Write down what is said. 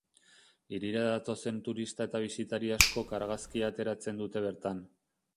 Hirira datozen turista eta bisitari askok argazkia ateratzen dute bertan.